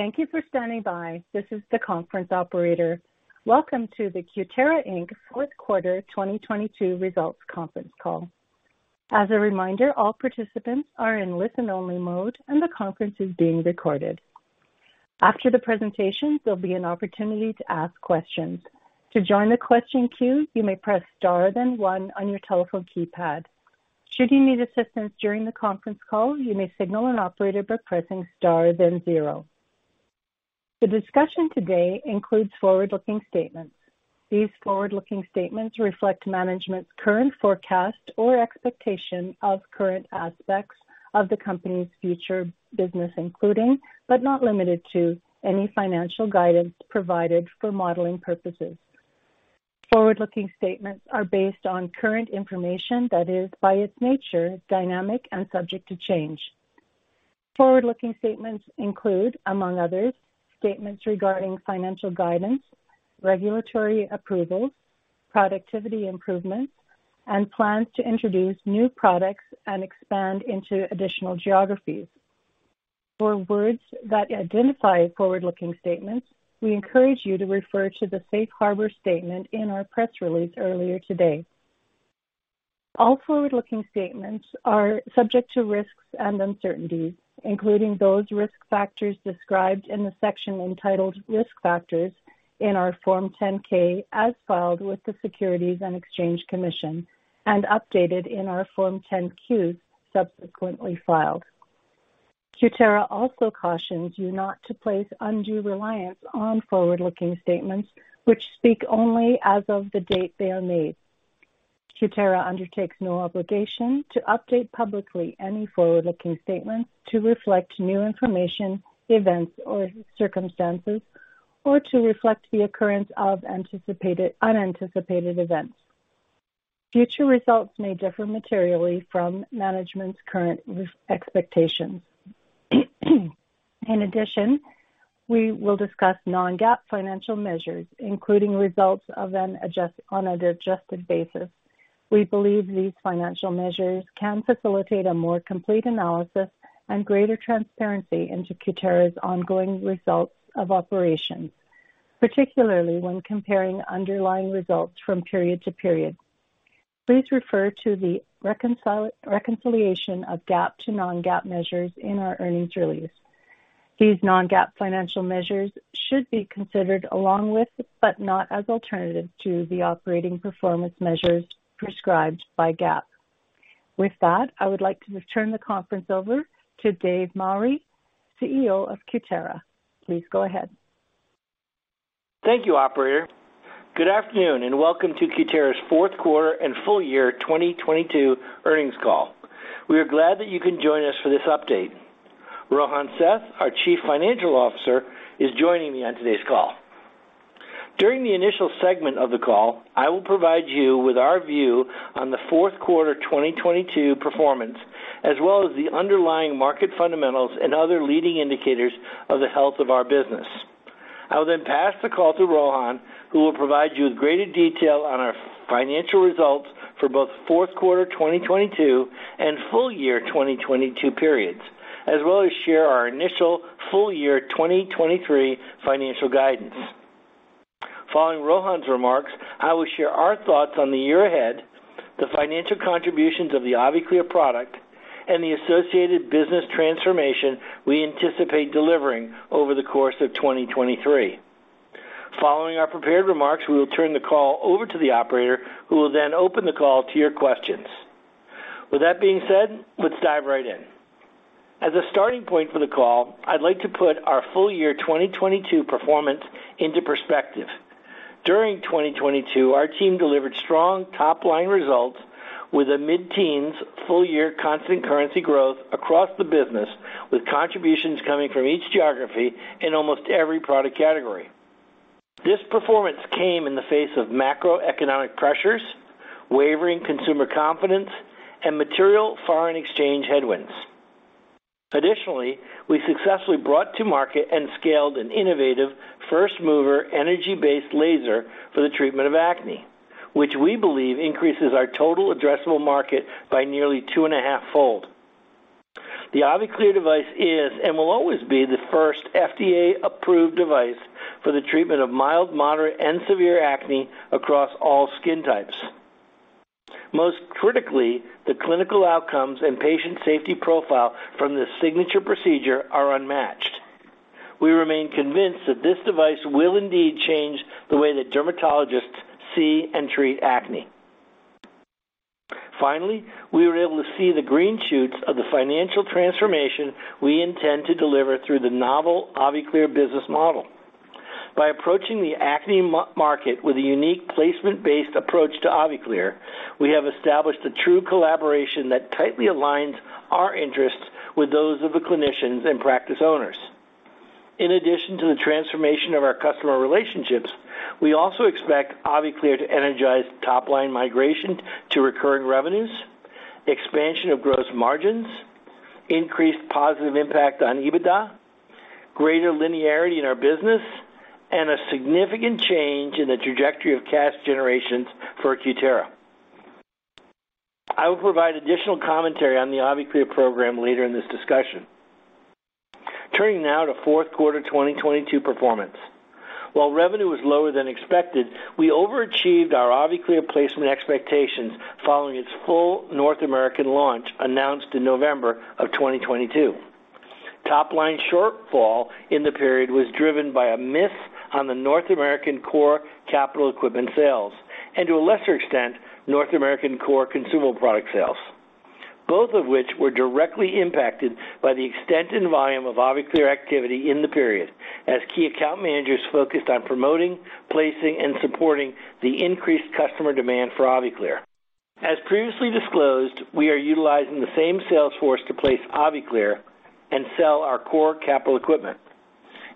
Thank you for standing by. This is the conference operator. Welcome to the Cutera, Inc. Fourth Quarter 2022 Results Conference Call. As a reminder, all participants are in listen-only mode, and the conference is being recorded. After the presentation, there'll be an opportunity to ask questions. To join the question queue, you may press star then one on your telephone keypad. Should you need assistance during the conference call, you may signal an operator by pressing star then zero. The discussion today includes forward-looking statements. These forward-looking statements reflect management's current forecast or expectation of current aspects of the company's future business, including, but not limited to, any financial guidance provided for modeling purposes. Forward-looking statements are based on current information that is, by its nature, dynamic and subject to change. Forward-looking statements include, among others, statements regarding financial guidance, regulatory approvals, productivity improvements, and plans to introduce new products and expand into additional geographies. For words that identify forward-looking statements, we encourage you to refer to the safe harbor statement in our press release earlier today. All forward-looking statements are subject to risks and uncertainties, including those risk factors described in the section entitled Risk Factors in our Form 10-K as filed with the Securities and Exchange Commission, and updated in our Form 10-Q subsequently filed. Cutera also cautions you not to place undue reliance on forward-looking statements which speak only as of the date they are made. Cutera undertakes no obligation to update publicly any forward-looking statements to reflect new information, events, or circumstances, or to reflect the occurrence of unanticipated events. Future results may differ materially from management's current expectations. We will discuss non-GAAP financial measures, including results on an adjusted basis. We believe these financial measures can facilitate a more complete analysis and greater transparency into Cutera's ongoing results of operations, particularly when comparing underlying results from period to period. Please refer to the reconciliation of GAAP to non-GAAP measures in our earnings release. These non-GAAP financial measures should be considered along with, but not as alternative to the operating performance measures prescribed by GAAP. I would like to turn the conference over to David Mowry, CEO of Cutera. Please go ahead. Thank you, operator. Good afternoon, and welcome to Cutera's fourth quarter and full year 2022 earnings call. We are glad that you can join us for this update. Rohan Seth, our Chief Financial Officer, is joining me on today's call. During the initial segment of the call, I will provide you with our view on the fourth quarter 2022 performance, as well as the underlying market fundamentals and other leading indicators of the health of our business. I will then pass the call to Rohan, who will provide you with greater detail on our financial results for both fourth quarter 2022 and full year 2022 periods, as well as share our initial full year 2023 financial guidance. Following Rohan's remarks, I will share our thoughts on the year ahead, the financial contributions of the AviClear product, and the associated business transformation we anticipate delivering over the course of 2023. Following our prepared remarks, we will turn the call over to the operator, who will then open the call to your questions. With that being said, let's dive right in. As a starting point for the call, I'd like to put our full year 2022 performance into perspective. During 2022, our team delivered strong top-line results with a mid-teens full year constant currency growth across the business, with contributions coming from each geography in almost every product category. This performance came in the face of macroeconomic pressures, wavering consumer confidence, and material foreign exchange headwinds. Additionally, we successfully brought to market and scaled an innovative first-mover energy-based laser for the treatment of acne, which we believe increases our total addressable market by nearly 2.5-fold. The AviClear device is, and will always be, the first FDA-approved device for the treatment of mild, moderate, and severe acne across all skin types. Most critically, the clinical outcomes and patient safety profile from the signature procedure are unmatched. We remain convinced that this device will indeed change the way that dermatologists see and treat acne. Finally, we were able to see the green shoots of the financial transformation we intend to deliver through the novel AviClear business model. By approaching the acne market with a unique placement-based approach to AviClear, we have established a true collaboration that tightly aligns our interests with those of the clinicians and practice owners. In addition to the transformation of our customer relationships, we also expect AviClear to energize top-line migration to recurring revenues, expansion of gross margins, increased positive impact on EBITDA, greater linearity in our business, and a significant change in the trajectory of cash generations for Cutera. I will provide additional commentary on the AviClear program later in this discussion. Turning now to fourth quarter 2022 performance. While revenue was lower than expected, we overachieved our AviClear placement expectations following its full North American launch announced in November of 2022. Top line shortfall in the period was driven by a miss on the North American core capital equipment sales and, to a lesser extent, North American core consumable product sales. Both of which were directly impacted by the extent and volume of AviClear activity in the period as key account managers focused on promoting, placing, and supporting the increased customer demand for AviClear. As previously disclosed, we are utilizing the same sales force to place AviClear and sell our core capital equipment.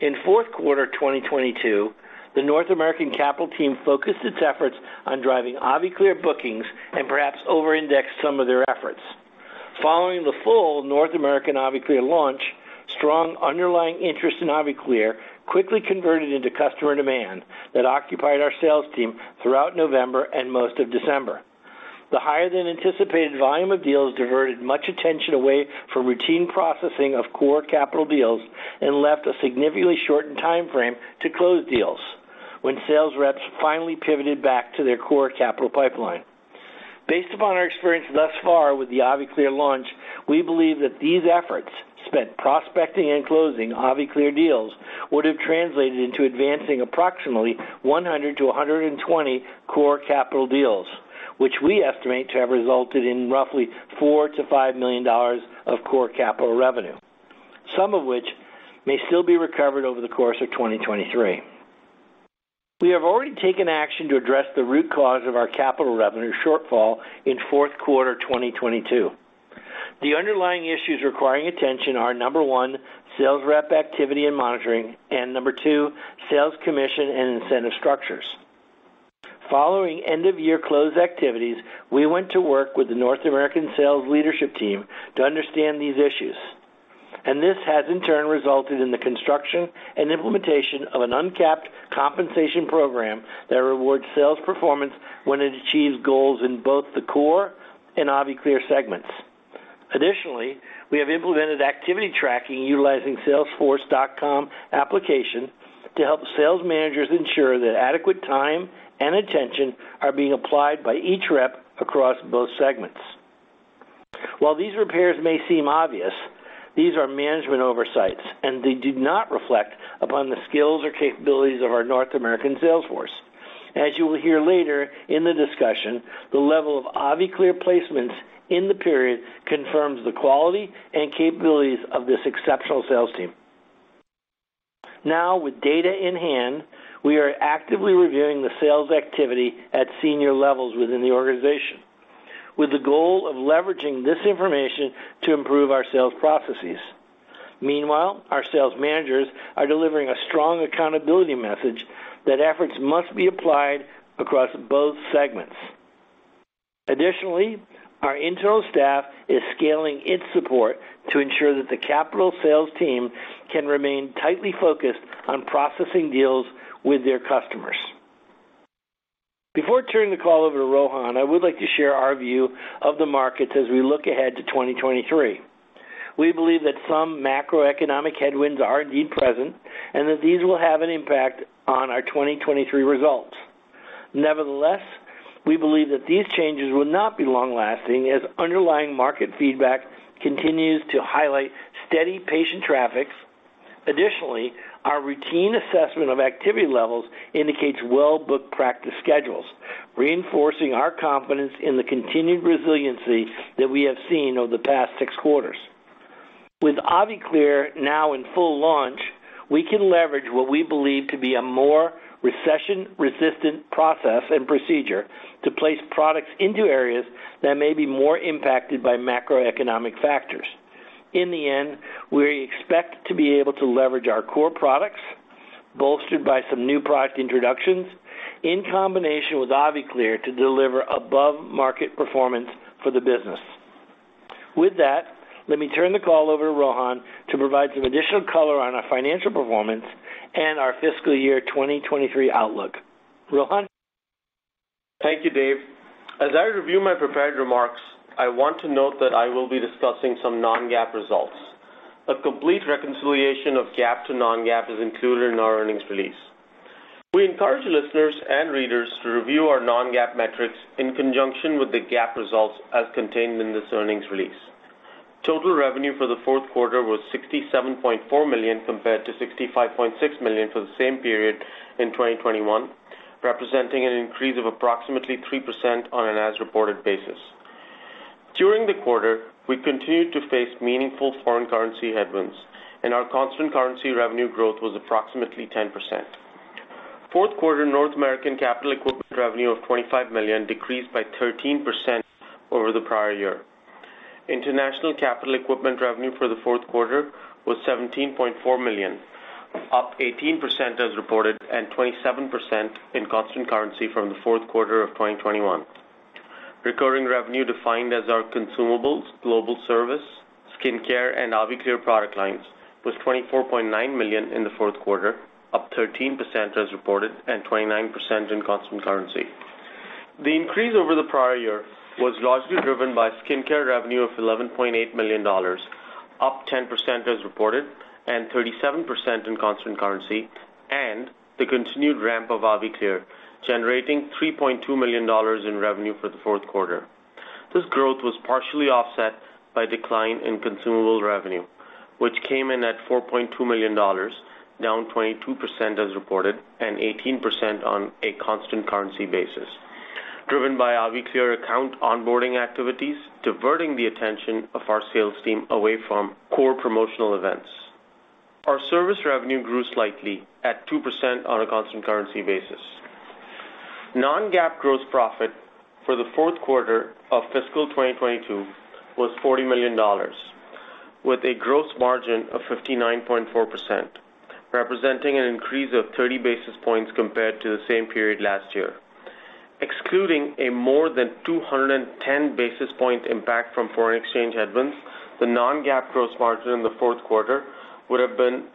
In fourth quarter 2022, the North American capital team focused its efforts on driving AviClear bookings and perhaps over-indexed some of their efforts. Following the full North American AviClear launch, strong underlying interest in AviClear quickly converted into customer demand that occupied our sales team throughout November and most of December. The higher than anticipated volume of deals diverted much attention away from routine processing of core capital deals and left a significantly shortened timeframe to close deals when sales reps finally pivoted back to their core capital pipeline. Based upon our experience thus far with the AviClear launch, we believe that these efforts spent prospecting and closing AviClear deals would have translated into advancing approximately 100-120 core capital deals, which we estimate to have resulted in roughly $4 million-$5 million of core capital revenue, some of which may still be recovered over the course of 2023. We have already taken action to address the root cause of our capital revenue shortfall in fourth quarter 2022. The underlying issues requiring attention are, number 1, sales rep activity and monitoring, and number 2, sales commission and incentive structures. Following end of year close activities, we went to work with the North American sales leadership team to understand these issues. This has in turn resulted in the construction and implementation of an uncapped compensation program that rewards sales performance when it achieves goals in both the core and AviClear segments. Additionally, we have implemented activity tracking utilizing Salesforce.com application to help sales managers ensure that adequate time and attention are being applied by each rep across both segments. While these repairs may seem obvious, these are management oversights. They do not reflect upon the skills or capabilities of our North American sales force. As you will hear later in the discussion, the level of AviClear placements in the period confirms the quality and capabilities of this exceptional sales team. With data in hand, we are actively reviewing the sales activity at senior levels within the organization, with the goal of leveraging this information to improve our sales processes. Meanwhile, our sales managers are delivering a strong accountability message that efforts must be applied across both segments. Additionally, our internal staff is scaling its support to ensure that the capital sales team can remain tightly focused on processing deals with their customers. Before turning the call over to Rohan, I would like to share our view of the markets as we look ahead to 2023. We believe that some macroeconomic headwinds are indeed present and that these will have an impact on our 2023 results. Nevertheless, we believe that these changes will not be long-lasting as underlying market feedback continues to highlight steady patient traffics. Additionally, our routine assessment of activity levels indicates well-booked practice schedules, reinforcing our confidence in the continued resiliency that we have seen over the past six quarters. With AviClear now in full launch, we can leverage what we believe to be a more recession-resistant process and procedure to place products into areas that may be more impacted by macroeconomic factors. In the end, we expect to be able to leverage our core products, bolstered by some new product introductions in combination with AviClear to deliver above-market performance for the business. With that, let me turn the call over to Rohan to provide some additional color on our financial performance and our fiscal year 2023 outlook. Rohan? Thank you, Dave. As I review my prepared remarks, I want to note that I will be discussing some non-GAAP results. A complete reconciliation of GAAP to non-GAAP is included in our earnings release. We encourage listeners and readers to review our non-GAAP metrics in conjunction with the GAAP results as contained in this earnings release. Total revenue for the fourth quarter was $67.4 million compared to $65.6 million for the same period in 2021, representing an increase of approximately 3% on an as-reported basis. During the quarter, we continued to face meaningful foreign currency headwinds, and our constant currency revenue growth was approximately 10%. Fourth quarter North American capital equipment revenue of $25 million decreased by 13% over the prior year. International capital equipment revenue for the fourth quarter was $17.4 million, up 18% as reported and 27% in constant currency from the fourth quarter of 2021. Recurring revenue defined as our consumables, global service, Skincare and AviClear product lines was $24.9 million in the fourth quarter, up 13% as reported, and 29% in constant currency. The increase over the prior year was largely driven by Skincare revenue of $11.8 million, up 10% as reported and 37% in constant currency, and the continued ramp of AviClear, generating $3.2 million in revenue for the fourth quarter. This growth was partially offset by decline in consumable revenue, which came in at $4.2 million, down 22% as reported and 18% on a constant currency basis, driven by AviClear account onboarding activities, diverting the attention of our sales team away from core promotional events. Our service revenue grew slightly at 2% on a constant currency basis. Non-GAAP gross profit for the fourth quarter of fiscal 2022 was $40 million, with a gross margin of 59.4%, representing an increase of 30 basis points compared to the same period last year. Excluding a more than 210 basis point impact from foreign exchange headwinds, the non-GAAP gross margin in the fourth quarter would have been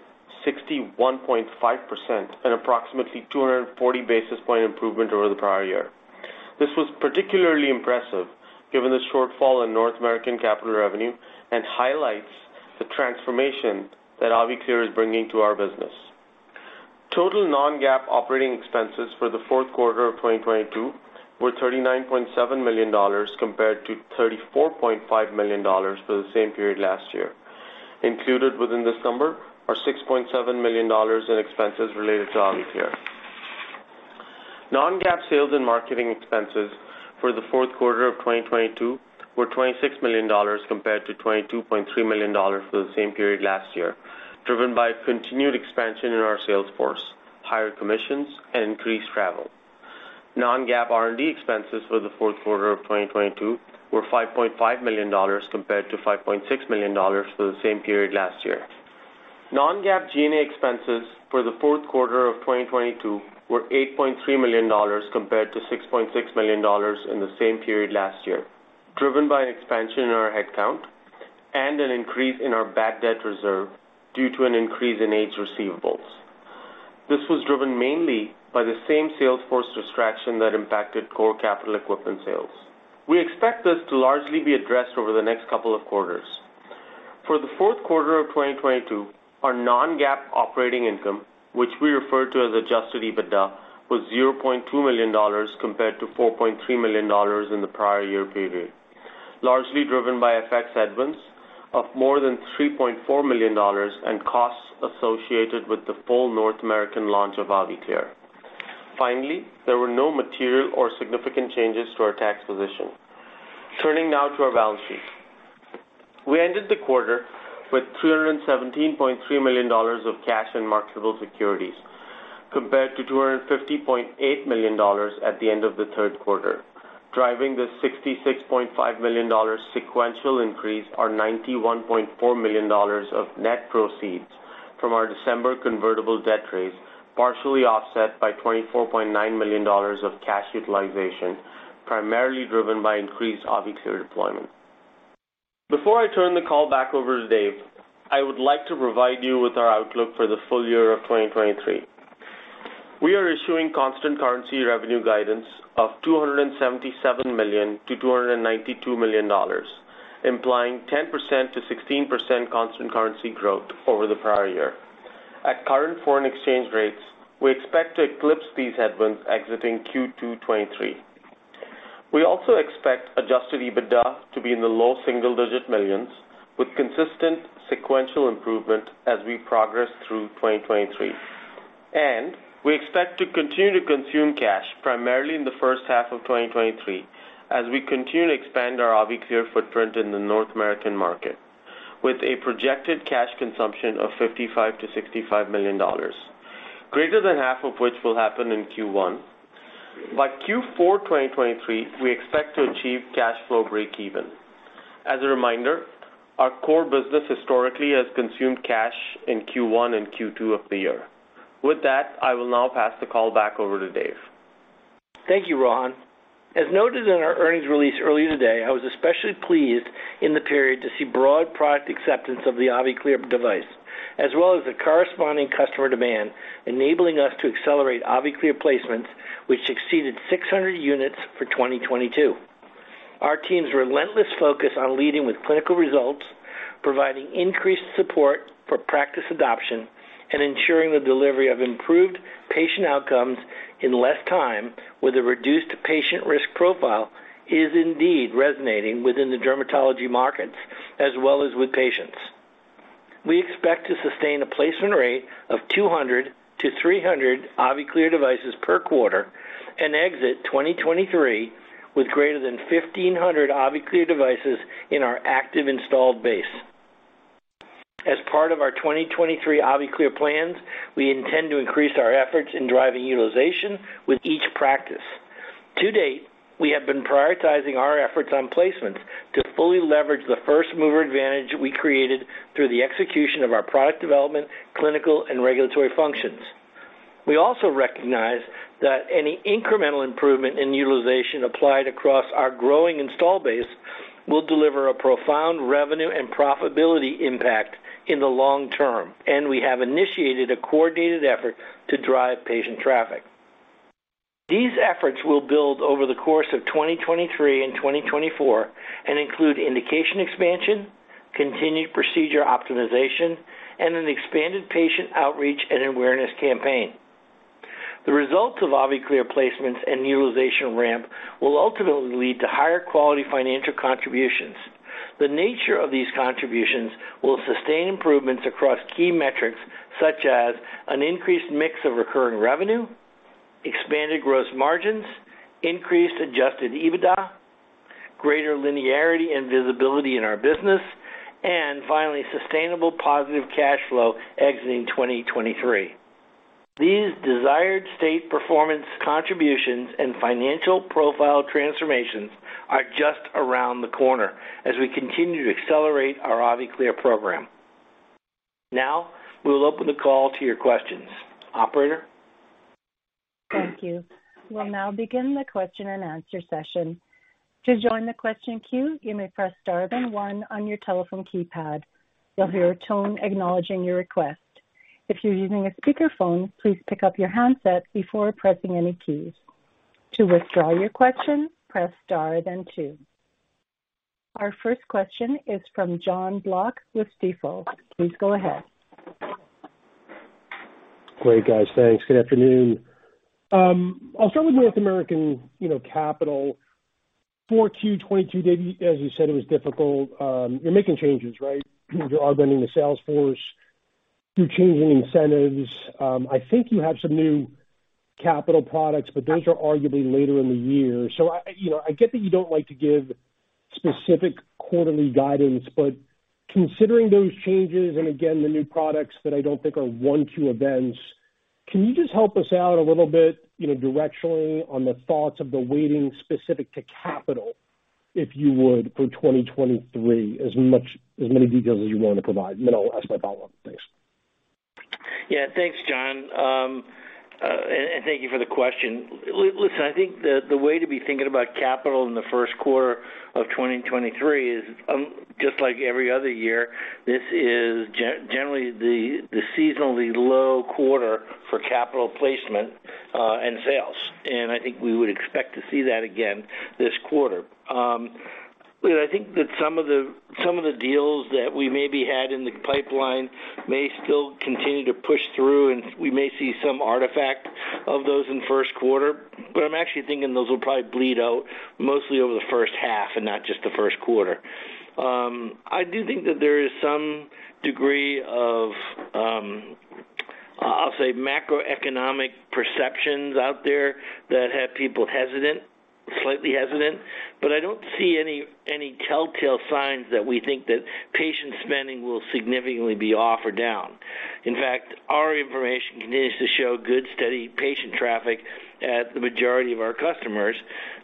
61.5%, an approximately 240 basis point improvement over the prior year. This was particularly impressive given the shortfall in North American capital revenue and highlights the transformation that AviClear is bringing to our business. Total non-GAAP operating expenses for the fourth quarter of 2022 were $39.7 million, compared to $34.5 million for the same period last year. Included within this number are $6.7 million in expenses related to AviClear. Non-GAAP sales and marketing expenses for the fourth quarter of 2022 were $26 million compared to $22.3 million for the same period last year, driven by continued expansion in our sales force, higher commissions and increased travel. Non-GAAP R&D expenses for the fourth quarter of 2022 were $5.5 million compared to $5.6 million for the same period last year. Non-GAAP G&A expenses for the fourth quarter of 2022 were $8.3 million compared to $6.6 million in the same period last year, driven by an expansion in our headcount and an increase in our bad debt reserve due to an increase in age receivables. This was driven mainly by the same sales force distraction that impacted core capital equipment sales. We expect this to largely be addressed over the next couple of quarters. For the fourth quarter of 2022, our non-GAAP operating income, which we refer to as adjusted EBITDA, was $0.2 million compared to $4.3 million in the prior year period, largely driven by FX headwinds of more than $3.4 million and costs associated with the full North American launch of AviClear. There were no material or significant changes to our tax position. Turning now to our balance sheet. We ended the quarter with $317.3 million of cash and marketable securities, compared to $250.8 million at the end of the third quarter. Driving this $66.5 million sequential increase are $91.4 million of net proceeds from our December convertible debt raise, partially offset by $24.9 million of cash utilization, primarily driven by increased AviClear deployment. Before I turn the call back over to David, I would like to provide you with our outlook for the full year of 2023. We are issuing constant currency revenue guidance of $277 million-$292 million, implying 10%-16% constant currency growth over the prior year. At current foreign exchange rates, we expect to eclipse these headwinds exiting Q2 2023. We also expect adjusted EBITDA to be in the low single-digit millions with consistent sequential improvement as we progress through 2023. We expect to continue to consume cash primarily in the first half of 2023 as we continue to expand our AviClear footprint in the North American market with a projected cash consumption of $55 million-$65 million, greater than half of which will happen in Q1. By Q4 2023, we expect to achieve cash flow breakeven. As a reminder, our core business historically has consumed cash in Q1 and Q2 of the year. With that, I will now pass the call back over to Dave. Thank you, Rohan. As noted in our earnings release earlier today, I was especially pleased in the period to see broad product acceptance of the AviClear device, as well as the corresponding customer demand enabling us to accelerate AviClear placements, which exceeded 600 units for 2022. Our team's relentless focus on leading with clinical results, providing increased support for practice adoption, and ensuring the delivery of improved patient outcomes in less time with a reduced patient risk profile is indeed resonating within the dermatology markets as well as with patients. We expect to sustain a placement rate of 200-300 AviClear devices per quarter and exit 2023 with greater than 1,500 AviClear devices in our active installed base. As part of our 2023 AviClear plans, we intend to increase our efforts in driving utilization with each practice. To date, we have been prioritizing our efforts on placements to fully leverage the first-mover advantage we created through the execution of our product development, clinical, and regulatory functions. We also recognize that any incremental improvement in utilization applied across our growing install base will deliver a profound revenue and profitability impact in the long term, and we have initiated a coordinated effort to drive patient traffic. These efforts will build over the course of 2023 and 2024 and include indication expansion, continued procedure optimization, and an expanded patient outreach and awareness campaign. The results of AviClear placements and utilization ramp will ultimately lead to higher quality financial contributions. The nature of these contributions will sustain improvements across key metrics such as an increased mix of recurring revenue, expanded gross margins, increased adjusted EBITDA, greater linearity and visibility in our business, finally, sustainable positive cash flow exiting 2023. These desired state performance contributions and financial profile transformations are just around the corner as we continue to accelerate our AviClear program. We will open the call to your questions. Operator? Thank you. We'll now begin the question and answer session. To join the question queue, you may press star then one on your telephone keypad. You'll hear a tone acknowledging your request. If you're using a speakerphone, please pick up your handset before pressing any keys. To withdraw your question, press star then two. Our first question is from Jon Block with Stifel. Please go ahead. Great, guys. Thanks. Good afternoon. I'll start with North American, you know, capital. 4Q 2022, Dave, as you said, it was difficult. You're making changes, right? You're arm bending the sales force. You're changing incentives. I think you have some new capital products, but those are arguably later in the year. I get that you don't like to give specific quarterly guidance, but considering those changes, and again, the new products that I don't think are one, two events, can you just help us out a little bit, you know, directionally on the thoughts of the weighting specific to capital, if you would, for 2023, as many details as you want to provide, then I'll ask my follow-up. Thanks. Yeah, thanks, Jon. Thank you for the question. Listen, I think the way to be thinking about capital in the first quarter of 2023 is just like every other year, this is generally the seasonally low quarter for capital placement and sales, and I think we would expect to see that again this quarter. I think that some of the deals that we maybe had in the pipeline may still continue to push through, and we may see some artifact of those in first quarter, but I'm actually thinking those will probably bleed out mostly over the first half and not just the first quarter. I do think that there is some degree of macroeconomic perceptions out there that have people hesitant, slightly hesitant, but I don't see any telltale signs that we think that patient spending will significantly be off or down. In fact, our information continues to show good, steady patient traffic at the majority of our customers,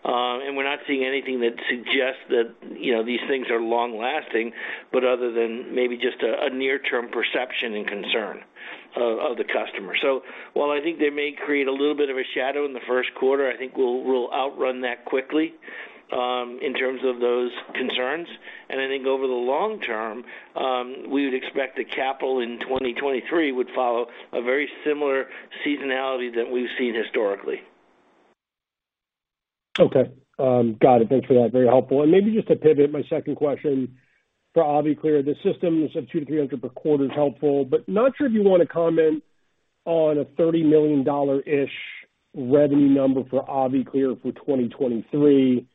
and we're not seeing anything that suggests that, you know, these things are long-lasting, but other than maybe just a near-term perception and concern of the customer. While I think they may create a little bit of a shadow in the first quarter, I think we'll outrun that quickly in terms of those concerns. I think over the long term, we would expect the capital in 2023 would follow a very similar seasonality that we've seen historically. Okay. Got it. Thanks for that. Very helpful. Maybe just to pivot my second question for AviClear, the systems of 200-300 per quarter is helpful, but not sure if you wanna comment on a $30 million-ish revenue number for AviClear for 2023.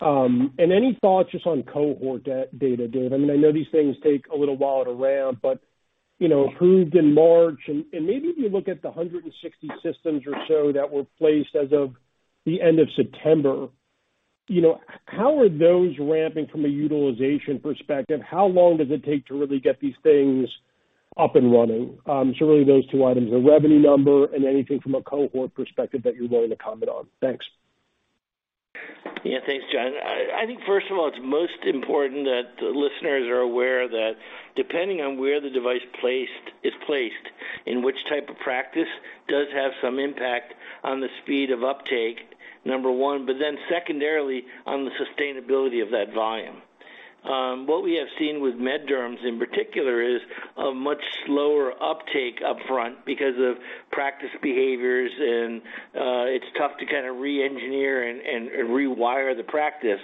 Any thoughts just on cohort data, Dave Mowry? I mean, I know these things take a little while to ramp, but, you know, approved in March and maybe if you look at the 160 systems or so that were placed as of the end of September, how are those ramping from a utilization perspective? How long does it take to really get these things up and running? Really those two items, the revenue number and anything from a cohort perspective that you're willing to comment on. Thanks. Yeah, thanks, Jon. I think first of all, it's most important that the listeners are aware that depending on where the device is placed, in which type of practice does have some impact on the speed of uptake, number one, secondarily on the sustainability of that volume. What we have seen with med derms in particular is a much slower uptake upfront because of practice behaviors and, it's tough to kind of re-engineer and rewire the practice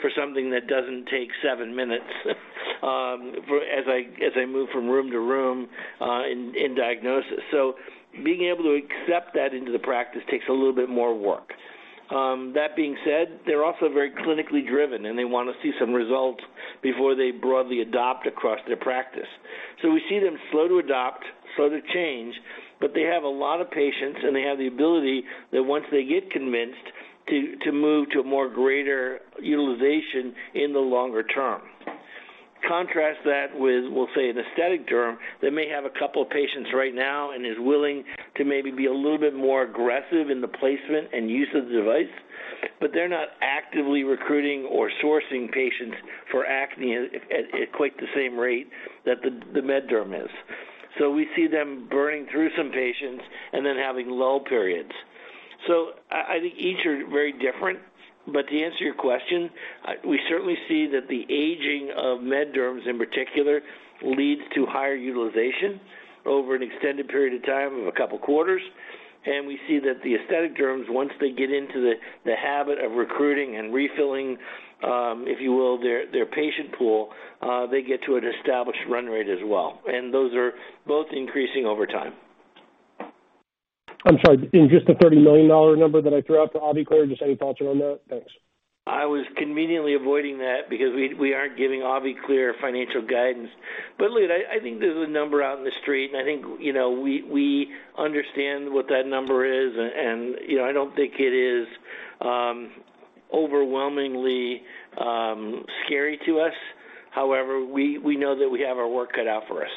for something that doesn't take seven minutes, for as I move from room to room, in diagnosis. Being able to accept that into the practice takes a little bit more work. That being said, they're also very clinically driven, and they want to see some results before they broadly adopt across their practice. We see them slow to adopt, slow to change, but they have a lot of patients, and they have the ability that once they get convinced to move to a more greater utilization in the longer term. Contrast that with, we'll say, an aesthetic derm that may have a couple of patients right now and is willing to maybe be a little bit more aggressive in the placement and use of the device. But they're not actively recruiting or sourcing patients for acne at quite the same rate that the med derm is. We see them burning through some patients and then having lull periods. I think each are very different. To answer your question, we certainly see that the aging of med derms in particular leads to higher utilization over an extended period of time of a couple quarters. We see that the aesthetic derms, once they get into the habit of recruiting and refilling, if you will, their patient pool, they get to an established run rate as well. Those are both increasing over time. I'm sorry. In just the $30 million number that I threw out for AviClear, just any thoughts around that? Thanks. I was conveniently avoiding that because we aren't giving AviClear financial guidance. Look, I think there's a number out in the street, and I think, you know, we understand what that number is and, you know, I don't think it is overwhelmingly scary to us. We know that we have our work cut out for us.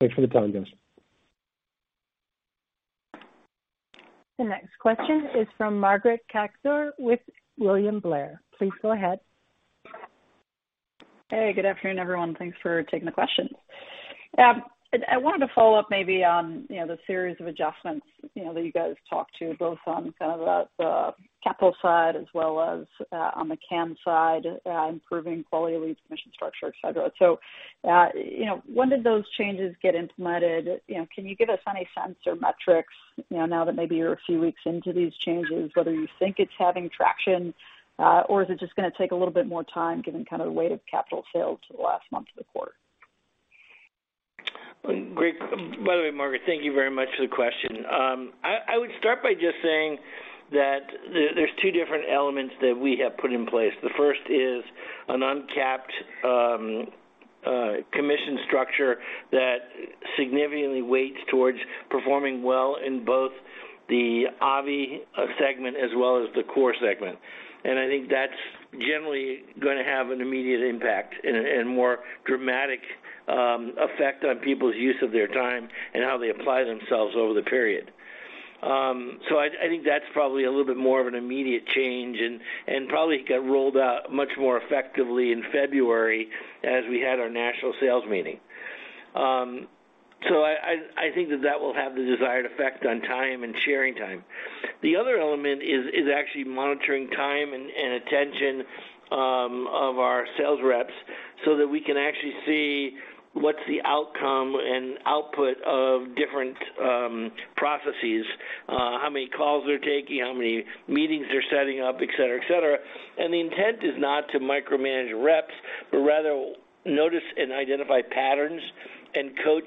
Thanks for the time, Gus. The next question is from Margaret Kaczor with William Blair. Please go ahead. Hey, good afternoon, everyone. Thanks for taking the questions. I wanted to follow up maybe on the series of adjustments, you know, that you guys talked to, both on kind of the capital side as well as on the CAM side, improving quality of leads, commission structure, et cetera. When did those changes get implemented? Can you give us any sense or metrics, you know, now that maybe you're a few weeks into these changes, whether you think it's having traction, or is it just gonna take a little bit more time given kind of the weight of capital sales in the last month of the quarter? Great. By the way, Margaret, thank you very much for the question. I would start by just saying that there's two different elements that we have put in place. The first is an uncapped commission structure that significantly weights towards performing well in both the Avi segment as well as the core segment. I think that's generally gonna have an immediate impact and more dramatic effect on people's use of their time and how they apply themselves over the period. I think that's probably a little bit more of an immediate change and probably got rolled out much more effectively in February as we had our national sales meeting. I think that that will have the desired effect on time and sharing time. The other element is actually monitoring time and attention of our sales reps so that we can actually see what's the outcome and output of different processes, how many calls they're taking, how many meetings they're setting up, et cetera, et cetera. The intent is not to micromanage reps, but rather notice and identify patterns and coach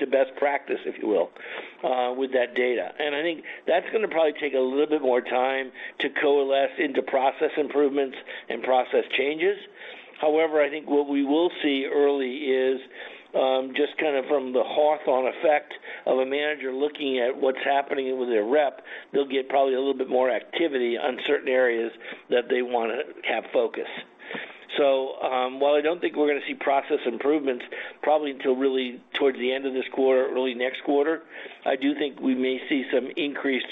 to best practice, if you will, with that data. I think that's gonna probably take a little bit more time to coalesce into process improvements and process changes. However, I think what we will see early is just kind of from the hawk-on effect of a manager looking at what's happening with their rep, they'll get probably a little bit more activity on certain areas that they wanna have focus. While I don't think we're gonna see process improvements probably until really towards the end of this quarter or early next quarter, I do think we may see some increased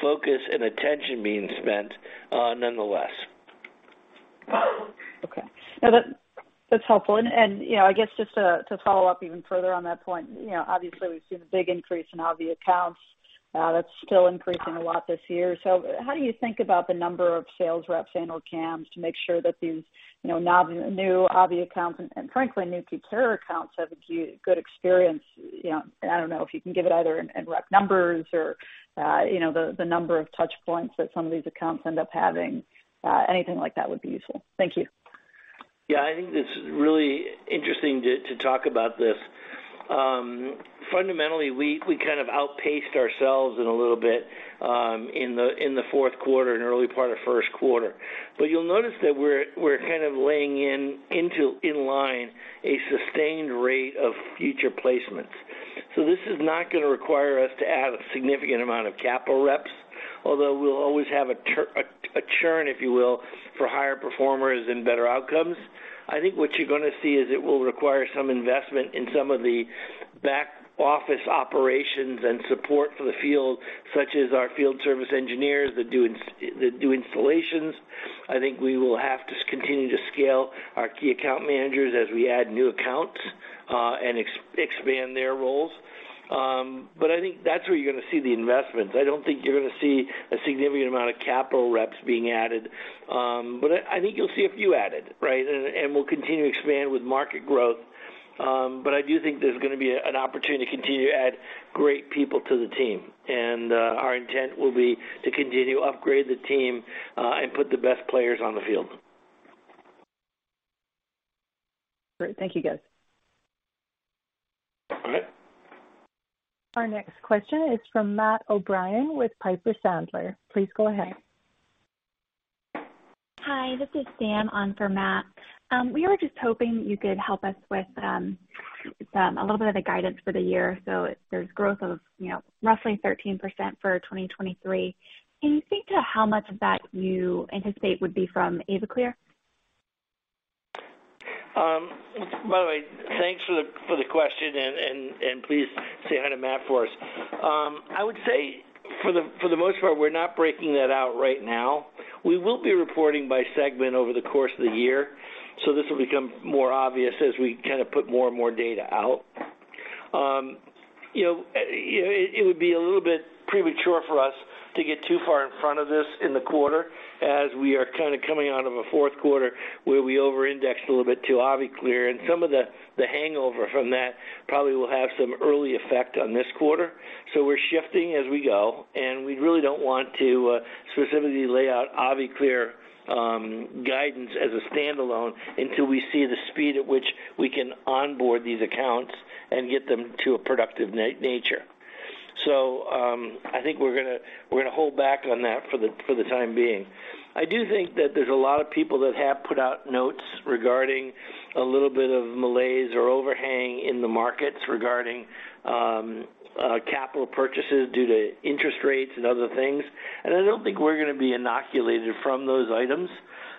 focus and attention being spent, nonetheless. Okay. No, that's helpful. You know, I guess just to follow up even further on that point, you know, obviously we've seen a big increase in Avi accounts, that's still increasing a lot this year. How do you think about the number of sales reps and/or CAMs to make sure that these, you know, now new Avi accounts and frankly new Cutera accounts have a good experience? You know, I don't know if you can give it either in rep numbers or, you know, the number of touch points that some of these accounts end up having. Anything like that would be useful. Thank you. Yeah. I think it's really interesting to talk about this. Fundamentally we kind of outpaced ourselves in a little bit, in the fourth quarter and early part of first quarter. You'll notice that we're kind of laying in line a sustained rate of future placements. This is not going to require us to add a significant amount of capital reps, although we'll always have a churn, if you will, for higher performers and better outcomes. I think what you're going to see is it will require some investment in some of the back office operations and support for the field, such as our field service engineers that do installations. I think we will have to continue to scale our key account managers as we add new accounts, and expand their roles. I think that's where you're gonna see the investments. I don't think you're gonna see a significant amount of capital reps being added. I think you'll see a few added, right? We'll continue to expand with market growth. I do think there's gonna be an opportunity to continue to add great people to the team. Our intent will be to continue to upgrade the team and put the best players on the field. Great. Thank you, David. Our next question is from Matt O'Brien with Piper Sandler. Please go ahead. Hi, this is Sam on for Matt. We were just hoping you could help us with a little bit of the guidance for the year. There's growth of, you know, roughly 13% for 2023. Can you speak to how much of that you anticipate would be from AviClear? By the way, thanks for the question and please say hi to Matt for us. I would say for the most part, we're not breaking that out right now. We will be reporting by segment over the course of the year, so this will become more obvious as we kind of put more and more data out. You know, it would be a little bit premature for us to get too far in front of this in the quarter as we are kind of coming out of a fourth quarter where we over-indexed a little bit to AviClear. Some of the hangover from that probably will have some early effect on this quarter. We're shifting as we go, and we really don't want to specifically lay out AviClear guidance as a standalone until we see the speed at which we can onboard these accounts and get them to a productive nature. I think we're gonna hold back on that for the time being. I do think that there's a lot of people that have put out notes regarding a little bit of malaise or overhang in the markets regarding capital purchases due to interest rates and other things. I don't think we're gonna be inoculated from those items,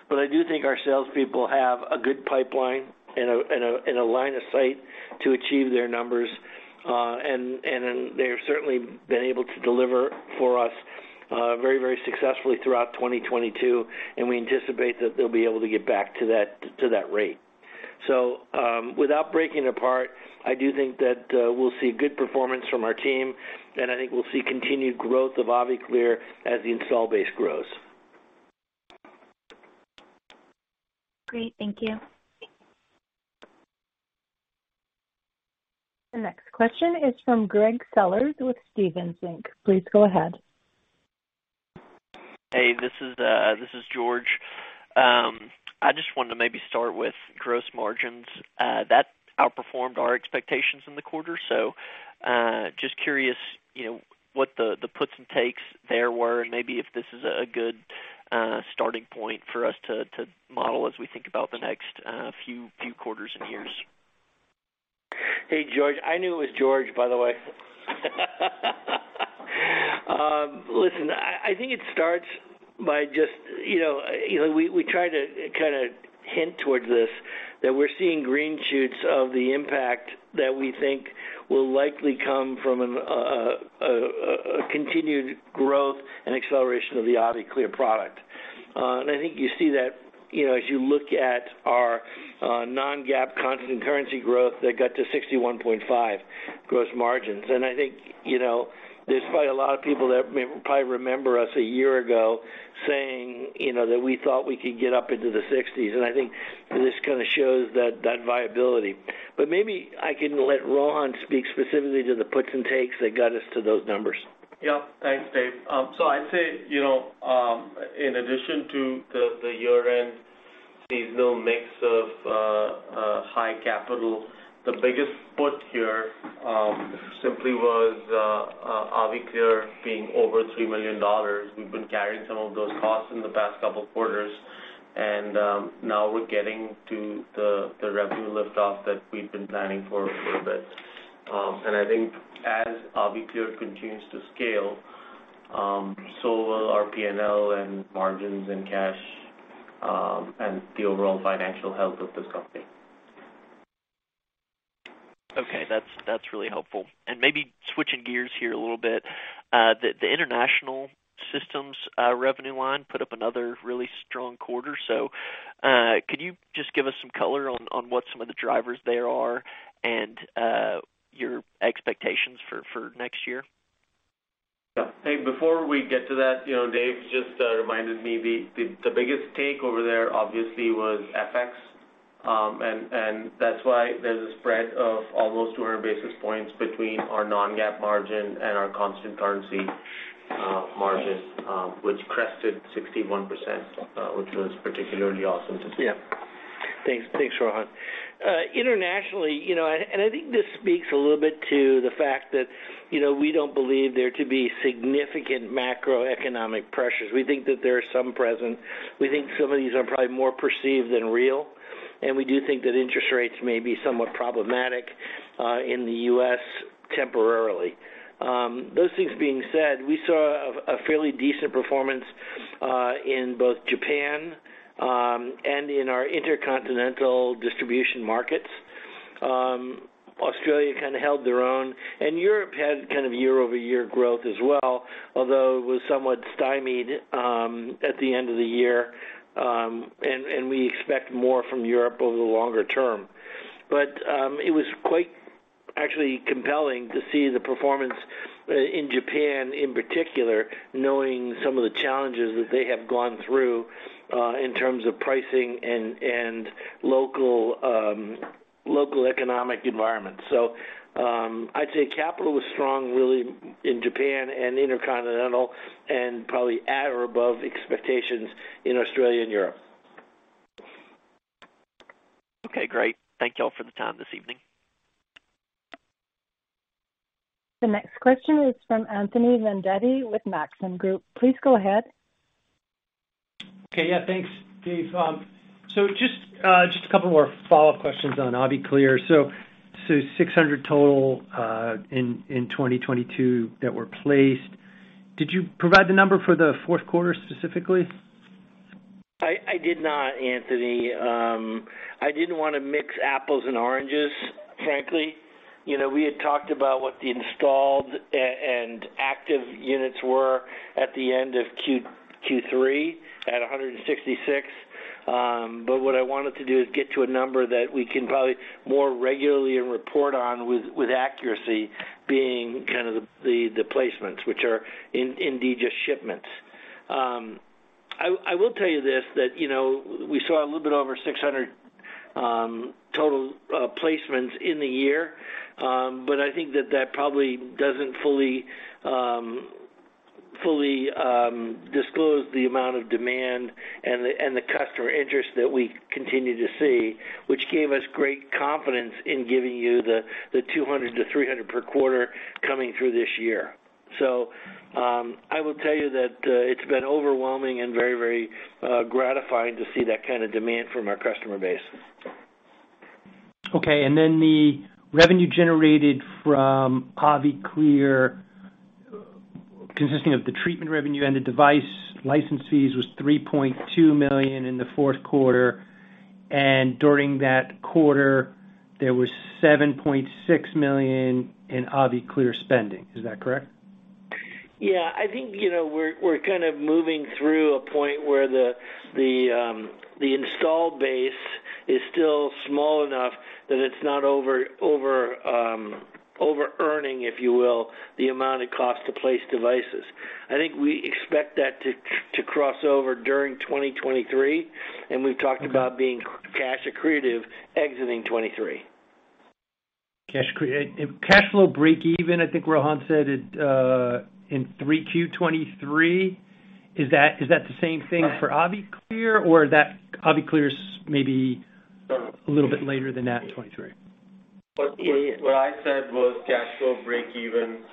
but I do think our salespeople have a good pipeline and a line of sight to achieve their numbers. Then they've certainly been able to deliver for us, very, very successfully throughout 2022, and we anticipate that they'll be able to get back to that rate. Without breaking apart, I do think that we'll see good performance from our team, and I think we'll see continued growth of AviClear as the install base grows. Great. Thank you. The next question is from George Sellers with Stephens Inc. Please go ahead. Hey, this is George. I just wanted to maybe start with gross margins. That outperformed our expectations in the quarter. Just curious, you know, what the puts and takes there were, and maybe if this is a good starting point for us to model as we think about the next few quarters and years. Hey, George. I knew it was George, by the way. Listen, I think it starts by just, you know, we try to kind of hint towards this, that we're seeing green shoots of the impact that we think will likely come from a continued growth and acceleration of the AviClear product. I think you see that, you know, as you look at our non-GAAP constant currency growth that got to 61.5% gross margins. I think, you know, there's probably a lot of people that may probably remember us a year ago saying, you know, that we thought we could get up into the sixties. I think this kind of shows that viability. Maybe I can let Rohan speak specifically to the puts and takes that got us to those numbers. Yeah. Thanks, Dave. I'd say, you know, in addition to the year-end seasonal mix of high capital, the biggest put here simply was AviClear being over $3 million. We've been carrying some of those costs in the past couple of quarters. Now we're getting to the revenue lift off that we've been planning for a little bit. I think as AviClear continues to scale, so will our P&L and margins and cash, and the overall financial health of this company. Okay. That's really helpful. Maybe switching gears here a little bit, the international systems revenue line put up another really strong quarter. Could you just give us some color on what some of the drivers there are and your expectations for next year? Yeah. Hey, before we get to that, you know, Dave just reminded me the biggest take over there obviously was FX. That's why there's a spread of almost 200 basis points between our non-GAAP margin and our constant currency margin, which crested 61%, which was particularly awesome to see. Yeah. Thanks. Thanks, Rohan. Internationally, you know, I think this speaks a little bit to the fact that, you know, we don't believe there to be significant macroeconomic pressures. We think that there are some present. We think some of these are probably more perceived than real. We do think that interest rates may be somewhat problematic in the U.S. temporarily. Those things being said, we saw a fairly decent performance in both Japan and in our intercontinental distribution markets. Australia kind of held their own, and Europe had kind of year-over-year growth as well, although it was somewhat stymied at the end of the year. We expect more from Europe over the longer term. It was quite actually compelling to see the performance in Japan in particular, knowing some of the challenges that they have gone through in terms of pricing and local economic environment. I'd say capital was strong really in Japan and intercontinental and probably at or above expectations in Australia and Europe. Okay, great. Thank you all for the time this evening. The next question is from Anthony Vendetti with Maxim Group. Please go ahead. Okay. Yeah, thanks, Dave. just a couple more follow-up questions on AviClear. 600 total in 2022 that were placed. Did you provide the number for the fourth quarter specifically? I did not, Anthony. I didn't wanna mix apples and oranges, frankly. You know, we had talked about what the installed and active units were at the end of Q3 at 166. What I wanted to do is get to a number that we can probably more regularly report on with accuracy being kind of the placements which are indeed just shipments. I will tell you this, that, you know, we saw a little bit over 600 total placements in the year. I think that that probably doesn't fully disclose the amount of demand and the, and the customer interest that we continue to see, which gave us great confidence in giving you the 200 to 300 per quarter coming through this year. I will tell you that, it's been overwhelming and very gratifying to see that kind of demand from our customer base. Okay. The revenue generated from AviClear, consisting of the treatment revenue and the device license fees, was $3.2 million in the fourth quarter, and during that quarter there was $7.6 million in AviClear spending. Is that correct? Yeah. I think, you know, we're kind of moving through a point where the installed base is still small enough that it's not overearning, if you will, the amount it costs to place devices. I think we expect that to cross over during 2023, and we've talked about being cash accretive exiting 2023. Cash flow breakeven, I think Rohan said it, in Q 23. Is that the same thing for AviClear, or that AviClear's maybe a little bit later than that 23? Yeah. What I said was cash flow breakeven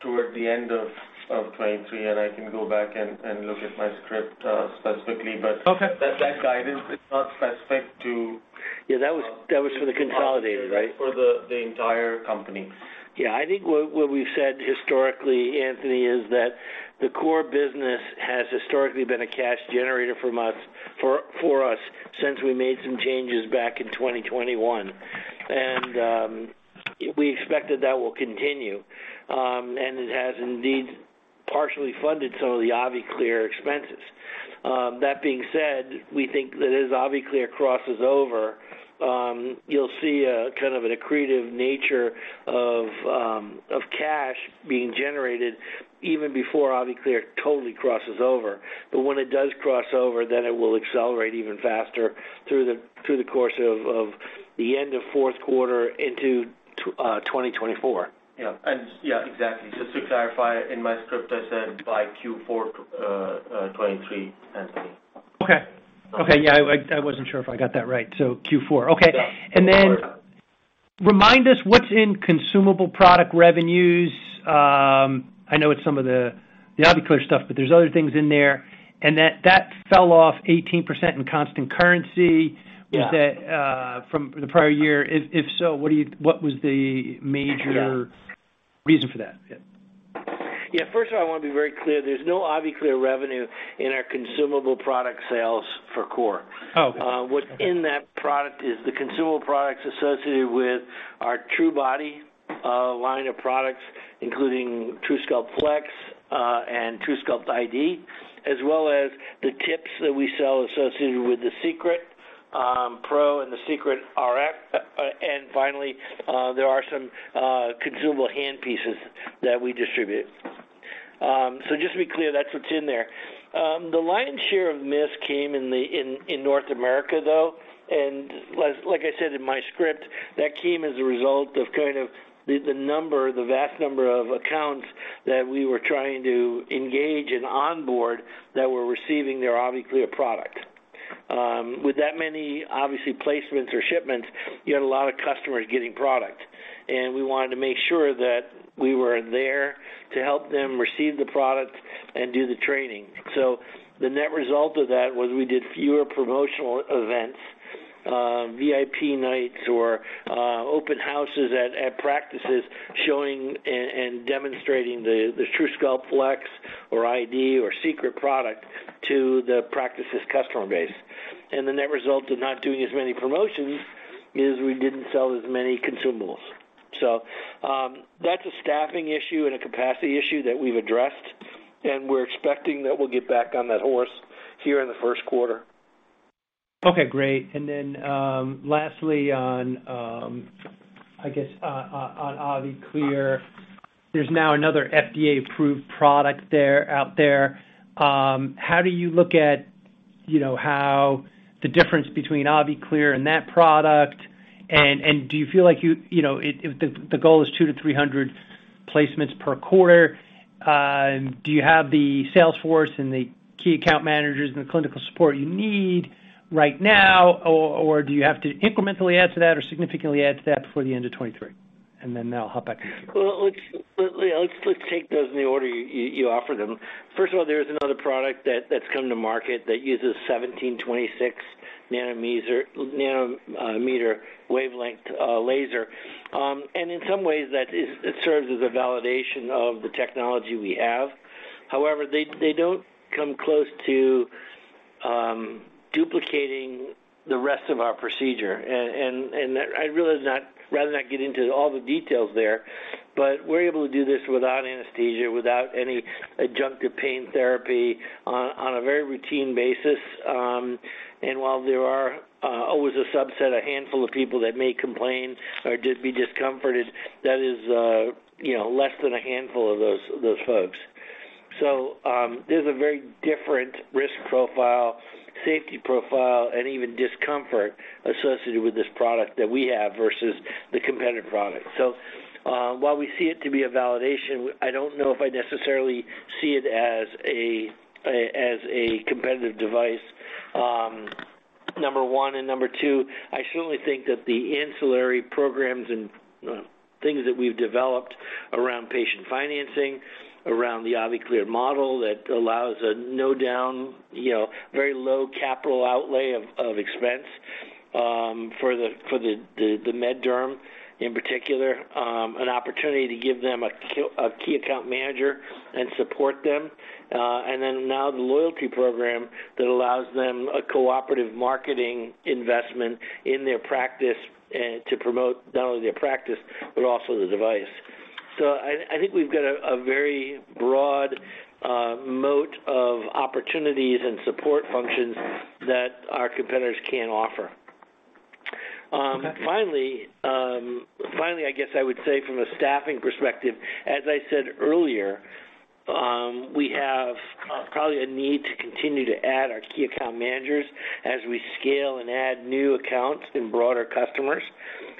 toward the end of 2023, and I can go back and look at my script, specifically. Okay. That guidance is not specific. Yeah, that was for the consolidated, right? It was for the entire company. Yeah. I think what we've said historically, Anthony, is that the core business has historically been a cash generator for us since we made some changes back in 2021. We expected that will continue and it has indeed partially funded some of the AviClear expenses. That being said, we think that as AviClear crosses over, you'll see a kind of an accretive nature of cash being generated even before AviClear totally crosses over. When it does cross over, then it will accelerate even faster through the course of the end of fourth quarter into 2024. Yeah. Yeah, exactly. Just to clarify, in my script I said by Q4, 2023, Anthony. Okay. Okay. Yeah, I wasn't sure if I got that right. Q4, okay. Yeah. Remind us what's in consumable product revenues. I know it's some of the AviClear stuff, but there's other things in there. That fell off 18% in constant currency. Yeah. Was that, from the prior year? If so, what was the major reason for that? Yeah. Yeah. First of all, I wanna be very clear, there's no AviClear revenue in our consumable product sales for core. Oh, okay. What's in that product is the consumable products associated with our truBody line of products, including truSculpt flex and truSculpt iD, as well as the tips that we sell associated with the Secret PRO and the Secret RF. Finally, there are some consumable hand pieces that we distribute. Just to be clear, that's what's in there. The lion's share of miss came in North America, though. Like I said in my script, that came as a result of kind of the vast number of accounts that we were trying to engage and onboard that were receiving their AviClear product. With that many obviously placements or shipments, you had a lot of customers getting product, and we wanted to make sure that we were there to help them receive the product and do the training. The net result of that was we did fewer promotional events, VIP nights or open houses at practices showing and demonstrating the truSculpt flex or iD or Secret product to the practice's customer base. The net result of not doing as many promotions is we didn't sell as many consumables. That's a staffing issue and a capacity issue that we've addressed, and we're expecting that we'll get back on that horse here in the first quarter. Okay, great. Lastly on, I guess, on AviClear, there's now another FDA-approved product there, out there. How do you look at, you know, how the difference between AviClear and that product, and do you feel like You know, if the goal is 200-300 placements per quarter, do you have the sales force and the key account managers and the clinical support you need right now, or do you have to incrementally add to that or significantly add to that before the end of 2023? I'll hop back to you. Well, let's take those in the order you offer them. First of all, there is another product that's come to market that uses 1726 nanometer wavelength laser. In some ways that is, it serves as a validation of the technology we have. However, they don't come close to duplicating the rest of our procedure. I'd really rather not get into all the details there, but we're able to do this without anesthesia, without any adjunctive pain therapy on a very routine basis. While there are always a subset, a handful of people that may complain or just be discomforted, that is, you know, less than a handful of those folks. There's a very different risk profile, safety profile, and even discomfort associated with this product that we have versus the competitive product. While we see it to be a validation, I don't know if I necessarily see it as a competitive device, number 1. Number 2, I certainly think that the ancillary programs and things that we've developed around patient financing, around the AviClear model that allows a no down, you know, very low capital outlay of expense, for the med derm, in particular, an opportunity to give them a key account manager and support them. Then now the loyalty program that allows them a cooperative marketing investment in their practice, to promote not only their practice but also the device. I think we've got a very broad moat of opportunities and support functions that our competitors can't offer. Finally, I guess I would say from a staffing perspective, as I said earlier, we have probably a need to continue to add our key account managers as we scale and add new accounts and broader customers.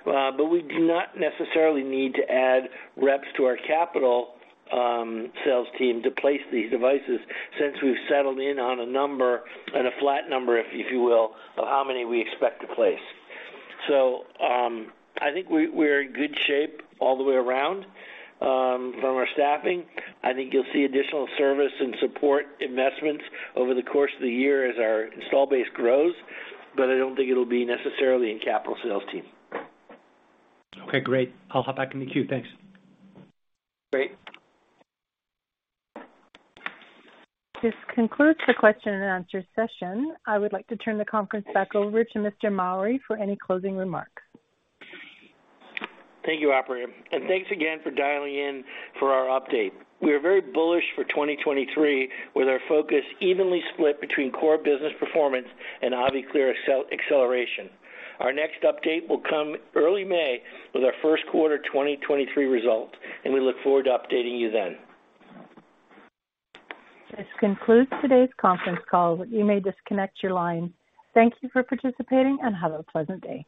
But we do not necessarily need to add reps to our capital sales team to place these devices since we've settled in on a number and a flat number, if you will, of how many we expect to place. I think we're in good shape all the way around from our staffing. I think you'll see additional service and support investments over the course of the year as our install base grows, but I don't think it'll be necessarily in capital sales team. Okay, great. I'll hop back in the queue. Thanks. Great. This concludes the question and answer session. I would like to turn the conference back over to Mr. Mowry for any closing remarks. Thank you, operator, and thanks again for dialing in for our update. We are very bullish for 2023, with our focus evenly split between core business performance and AviClear acceleration. Our next update will come early May with our first quarter 2023 results. We look forward to updating you then. This concludes today's conference call. You may disconnect your line. Thank you for participating and have a pleasant day.